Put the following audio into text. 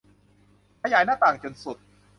ขยายหน้าต่างจนสุด